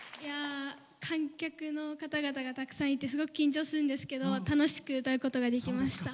観客の方がすごくたくさんいてすごく緊張したんですけど楽しく歌うことができました。